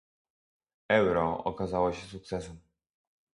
Euro okazało się sukcesem